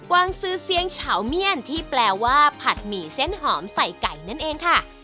วางซื้อเสียงเฉาเมียนที่แปลว่าผัดหมี่เส้นหอมใส่ไก่นั่นเองค่ะ